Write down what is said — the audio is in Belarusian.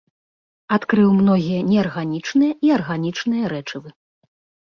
Адкрыў многія неарганічныя і арганічныя рэчывы.